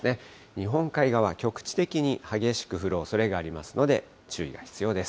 日本海側、局地的に激しく降るおそれがありますので、注意が必要です。